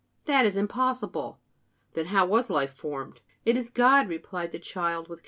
That is impossible." "Then how was life formed?" "It is God," replied the child, with conviction.